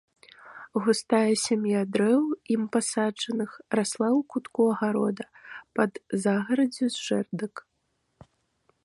Густая сям'я дрэў, ім пасаджаных, расла ў кутку агарода пад загараддзю з жэрдак.